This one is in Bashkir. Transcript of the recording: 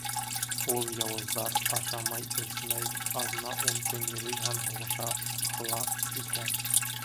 Ул яуыздар ашамай-эсмәй аҙна-ун көн йөрөй һәм һуғыша ала икән.